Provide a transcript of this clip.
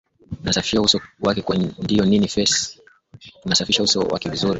tunasafisha uso wake ndiyo nini face tunasafisha uso wake vizuri